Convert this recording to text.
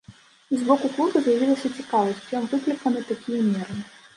З боку клуба з'явілася цікавасць, чым выкліканы такія меры.